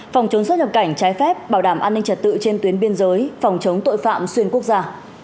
phòng chống xuất nhập cảnh trái phép bảo đảm an ninh trật tự trên tuyến biên giới phòng chống tội phạm xuyên quốc gia